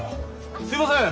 すいません！